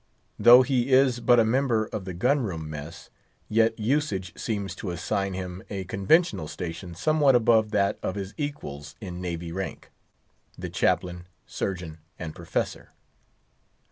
Though he is but a member of the gun room mess, yet usage seems to assign him a conventional station somewhat above that of his equals in navy rank—the Chaplain, Surgeon, and Professor.